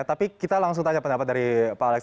tapi kita langsung tanya pendapat dari pak alex